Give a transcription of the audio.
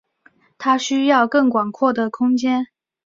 他需要更广阔的空间。